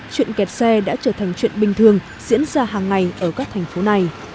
chuyện kẹt xe đã trở thành chuyện bình thường diễn ra hàng ngày ở các thành phố này